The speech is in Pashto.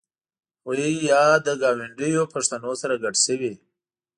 هغوی یا له ګاونډیو پښتنو سره ګډ شوي.